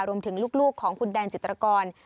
รวมถึงลูกของคุณแดนจิตรกร